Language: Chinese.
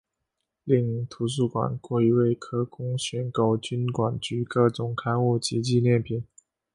另图书馆柜位可供选购金管局各种刊物及纪念品。